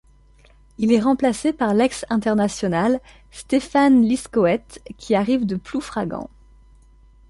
Il est remplacé par l'ex-international Stéphane Liscoët qui arrive de Ploufragan.